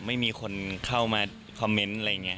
ไม่มีคนเข้ามาคอมเมนต์อะไรอย่างนี้